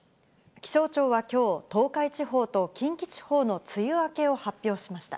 気象庁はきょう、東海地方と近畿地方の梅雨明けを発表しました。